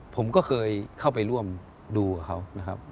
ผมก็เคยเข้าไปร่วมดูกับเขานะครับ